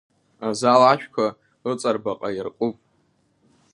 Азал ашәқәа ыҵарбаҟа иаркуп.